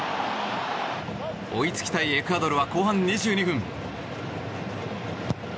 追いつきたいエクアドルは後半２２分。